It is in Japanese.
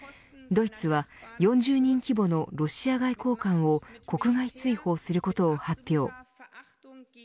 ドイツは４０人規模のロシア外交官を国外追放することを発表。